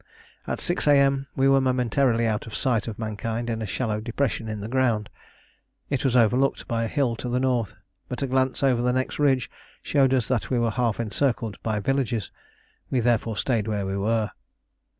At 6 A.M. we were momentarily out of sight of mankind in a shallow depression in the ground. It was overlooked by a hill to the north, but a glance over the next ridge showed us that we were half encircled by villages: we therefore stayed where we were.